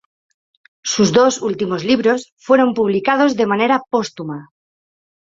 Sus dos últimos libros fueron publicados de manera póstuma.